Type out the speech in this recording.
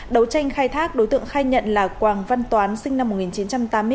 đấu tranh khai thác đối tượng khai nhận là quảng văn toán sinh năm một nghìn chín trăm tám mươi tám